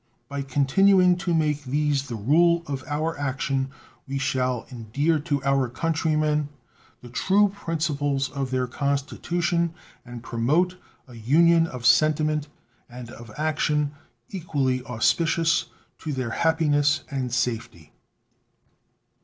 By continuing to make these the rule of our action we shall endear to our country men the true principles of their Constitution and promote an union of sentiment and of action equally auspicious to their happiness and safety.